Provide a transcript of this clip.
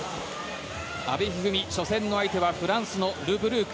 阿部一二三、初戦の相手はフランスのル・ブルーク。